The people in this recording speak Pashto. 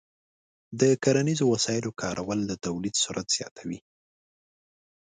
د کرنیزو وسایلو کارول د تولید سرعت زیاتوي.